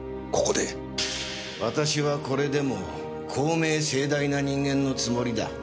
私はこれでも公明正大な人間のつもりだ。